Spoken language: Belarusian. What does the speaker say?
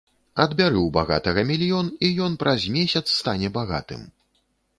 Адбяры ў багатага мільён, і ён праз месяц стане багатым.